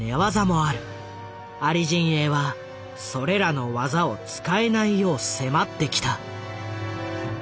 アリ陣営はそれらの技を使えないよう迫ってきた。